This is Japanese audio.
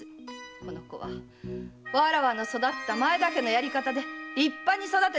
この子はわらわの育った前田家のやり方で立派に育ててみせます！